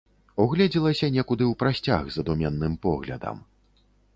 Угледзелася некуды ў прасцяг задуменным поглядам.